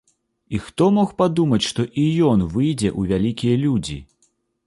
І хто мог падумаць, што і ён выйдзе ў вялікія людзі!